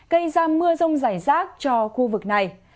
gây ra mưa rông rải rác cho khu vực này